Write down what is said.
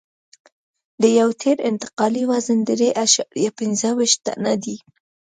د یو ټیر انتقالي وزن درې اعشاریه پنځه ویشت ټنه دی